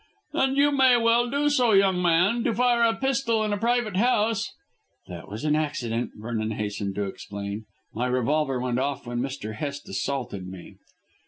"And you may well do so, young man. To fire a pistol in a private house " "That was an accident," Vernon hastened to explain. "My revolver went off when Mr. Hest assaulted me."